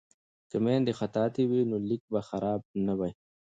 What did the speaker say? که میندې خطاطې وي نو لیک به خراب نه وي.